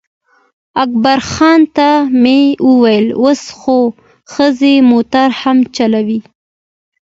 اکبرخان ته مې وویل اوس خو ښځې موټر هم چلوي.